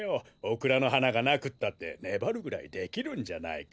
オクラのはながなくったってねばるぐらいできるんじゃないか？